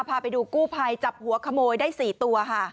พาไปดูกู้ภัยจับหัวขโมยได้๔ตัวค่ะ